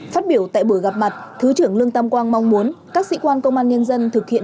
phát biểu tại buổi gặp mặt thứ trưởng lương tam quang mong muốn các sĩ quan công an nhân dân thực hiện